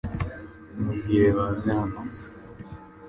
Babwire baze hano .